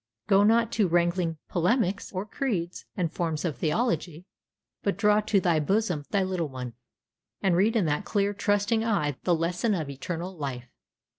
Go not to wrangling polemics, or creeds and forms of theology, but draw to thy bosom thy little one, and read in that clear, trusting eye the lesson of eternal life.